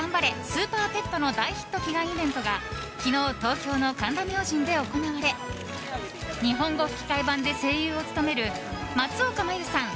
スーパーペット」の大ヒット祈願イベントが昨日、東京の神田明神で行われ日本語吹き替え版で声優を務める松岡茉優さん